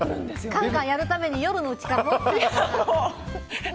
カンカンやるために夜のうちから持ってるのかな。